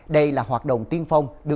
đây là hoạt động tiên phong